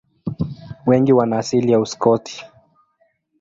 Wengi wana asili ya Uskoti.